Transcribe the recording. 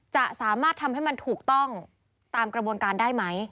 จะสามารถทำให้มันถูกต้องตามกระบวนการได้ไหม